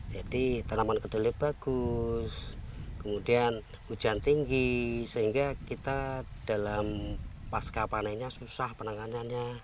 jadi tanaman kedelai bagus kemudian hujan tinggi sehingga kita dalam pasca panenya susah penanganannya